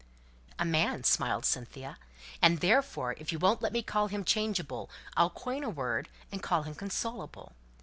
"A man!" smiled Cynthia. "And therefore, if you won't let me call him changeable, I'll coin a word and call him consolable!"